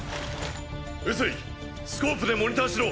碓井スコープでモニターしろ。